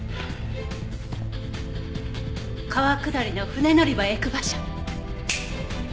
川下りの船乗り場へ行く馬車。